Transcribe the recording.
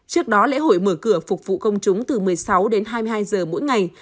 trước đó lễ hội mở cửa phục vụ công chúng từ một mươi sáu đến hai mươi hai giờ mỗi ngày